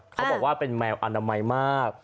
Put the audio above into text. เขาบอกว่าเป็นแมวอนามัยมาก